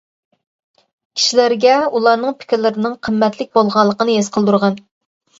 كىشىلەرگە ئۇلارنىڭ پىكىرلىرىنىڭ قىممەتلىك بولغانلىقىنى ھېس قىلدۇرغىن.